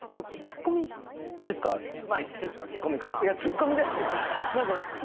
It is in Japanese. ツッコミですよ。